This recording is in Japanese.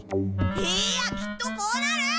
いやきっとこうなる！